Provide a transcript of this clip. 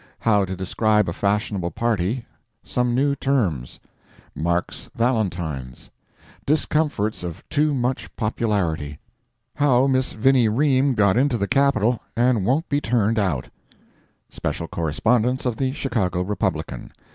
How to Describe a Fashionable Party—Some New Terms. Mark's Valentines—Discomforts of Too Much Popularity. How Miss Vinnie Ream Got Into the Capitol, and Won't be Turned Out. Special Correspondence of the Chicago Republican.